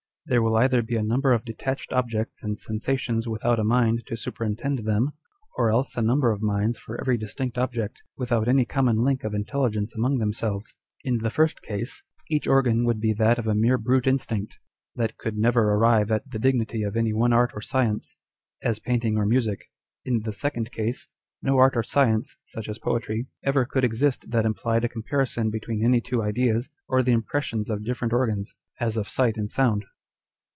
There will either be a number of detached objects and sensations without a mind to superintend them, or else a number of minds for every distinct object, without any common link of intelligence among themselves. In the 202 On Dr. Spurzlieim's Theory. first case, each organ would be that of a mere brute instinct, that could never arrive at the dignity of any one art or science, as painting or music ; in the second case, no art or science (such as poetry) ever could exist that implied a comparison between any two ideas or the impressions of different organs, as of sight and sound.